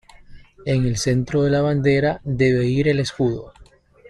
En el centro de la bandera debe ir el escudo.